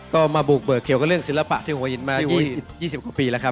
ก็มาบุกเบิกเกี่ยวกับเรื่องศิลปะที่หัวหินมา๒๐กว่าปีแล้วครับ